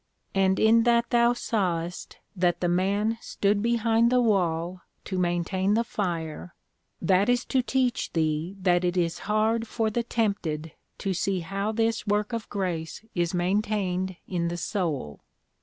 And in that thou sawest that the man stood behind the wall to maintain the Fire, that is to teach thee that it is hard for the tempted to see how this work of Grace is maintained in the soul.